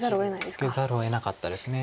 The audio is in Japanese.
受けざるをえなかったです。